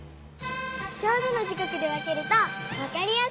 ちょうどの時こくで分けるとわかりやすい！